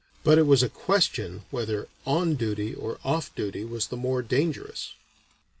But it was a question whether 'off' or 'on' duty was the more dangerous."